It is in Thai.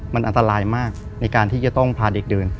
มันอันตรายมากในการที่จะต้องพาเด็กเดิน